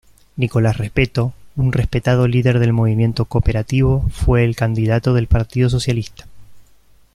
Nicolás Repetto, un respetado líder del movimiento cooperativo, fue el candidato del Partido Socialista.